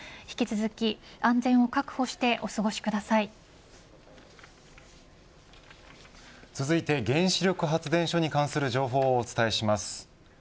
引き続き安全を続いて原子力発電所に関する情報をお伝えします。